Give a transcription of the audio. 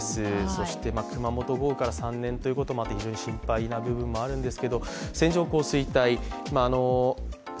そして熊本豪雨から３年ということもあって非常に心配なところもあります。